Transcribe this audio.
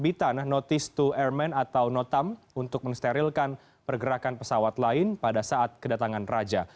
bitan notice to airmen atau notam untuk mensterilkan pergerakan pesawat lain pada saat kedatangan raja